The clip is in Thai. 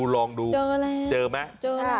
ลองดูเจอมั้ย